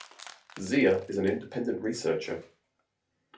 Zia is an independent researcher.